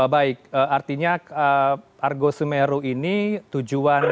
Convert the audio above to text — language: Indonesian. baik artinya argo semeru ini tujuan